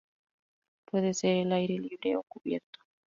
Puede ser al aire libre o cubierto.